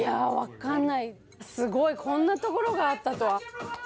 こんなところがあったとは。